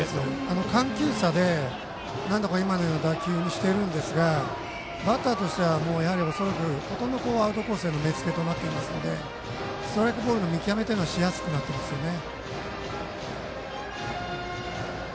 緩急差で、なんとか今のような打球にしてるんですがバッターとしてはほとんどアウトコースへの目付けとなっているのでストライクボールの見極めはしやすくなっていますよね。